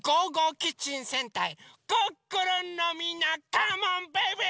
キッチン戦隊クックルン」のみんなカモンベイベー！